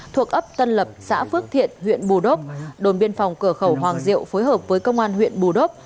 thuộc ấp tân lập xã phước thiện huyện bù đốc đồn biên phòng cửa khẩu hoàng diệu phối hợp với công an huyện bù đốc